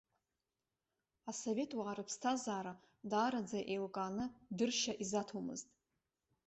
Асоветуаа рыԥсҭазара даараӡа еилкааны дыршьа изаҭомызт.